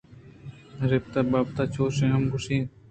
ایسُپ ءِ بابت ءَ چُش ہم گوٛشنت